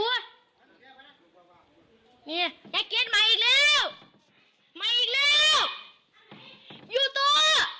เกิดมาอีกแล้วมาอีกแล้วอยู่ตัว